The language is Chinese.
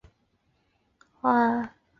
但是有个规则